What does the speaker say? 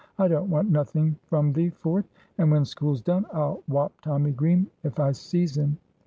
I don't want nothing from thee for 't. And when school's done, I'll whop Tommy Green, if I sees him."